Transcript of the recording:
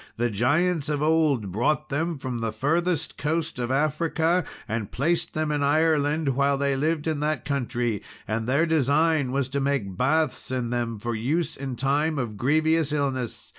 The giants of old brought them from the furthest coast of Africa, and placed them in Ireland while they lived in that country: and their design was to make baths in them, for use in time of grievous illness.